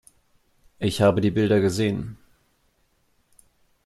Ich habe die Bilder gesehen.